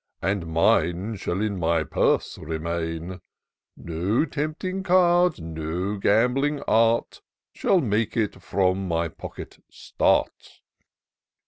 And mine shall in my purse remain : No tempting card, no gambling art. Shall make it from my pocket start.